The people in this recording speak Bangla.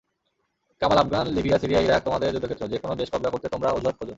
কামালআফগান, লিবিয়া, সিরিয়া, ইরাক তোমাদের যুদ্ধক্ষেত্র, যেকোনো দেশ কবজা করতে তোমরা অজুহাত খোঁজো।